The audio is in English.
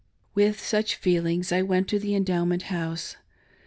With such feelings I went to the Endowment House.